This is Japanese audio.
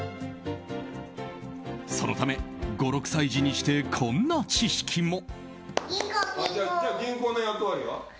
そのため、５６歳児にしてこんな知識も。